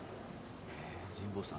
神保さん？